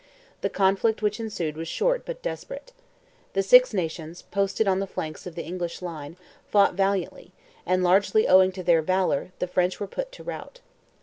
The conflict which ensued was short but desperate. The Six Nations, posted on the flanks of the English line, fought valiantly, and, largely owing to their valour, the French were put to rout.